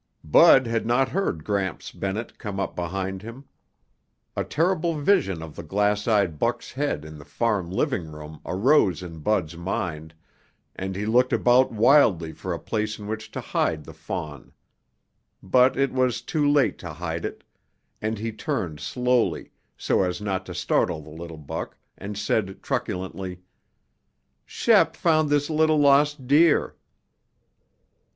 Bud had not heard Gramps Bennett come up behind him. A terrible vision of the glass eyed buck's head in the farm living room arose in Bud's mind and he looked about wildly for a place in which to hide the fawn. But it was too late to hide it, and he turned slowly, so as not to startle the little buck, and said truculently, "Shep found this little lost deer."